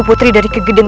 dan sebagai pet agents